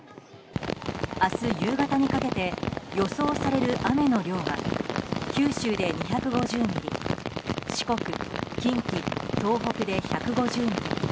明日夕方にかけて予想される雨の量が九州で２５０ミリ四国、近畿、東北で１５０ミリ